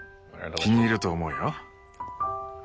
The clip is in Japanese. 気に入ると思うよ。